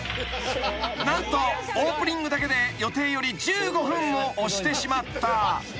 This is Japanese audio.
［何とオープニングだけで予定より１５分も押してしまった］